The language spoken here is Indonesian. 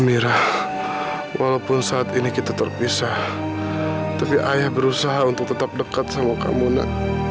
merah walaupun saat ini kita terpisah tapi ayah berusaha untuk tetap dekat sama kamunda